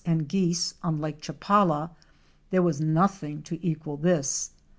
357 and Geese on Lake Chapala, there was nothing to equal this.